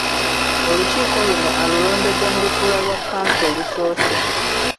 Olukiiko luno alulondedde mu lutuula lwa kkanso olusoose .